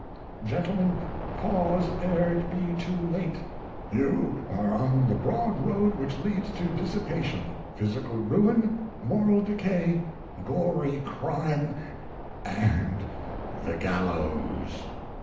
Gentlemen, pause ere it be too late. You are on the broad road which leads to dissipation, physical ruin, moral decay, gory crime and the gallows!